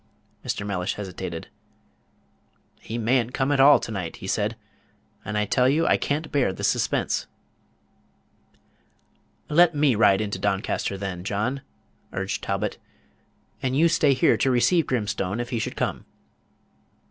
Mr. Mellish hesitated. "He may n't come at all to night," he said; "and I tell you I can't bear this suspense." "Let me ride into Doncaster, then, John," urged Talbot, "and you stay here to receive Grimstone if he should come."